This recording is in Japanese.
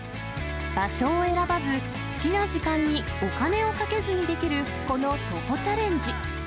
場所を選ばず、好きな時間にお金をかけずにできる、この徒歩チャレンジ。